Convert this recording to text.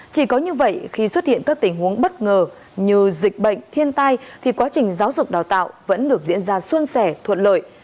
chỉ có như vậy khi xuất hiện các tình huống bất ngờ như dịch bệnh thiên tai thì quá trình giáo dục đào tạo vẫn được diễn ra xuân sẻ thuận lợi